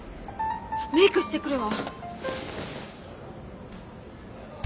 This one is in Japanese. メイクしてくるわ。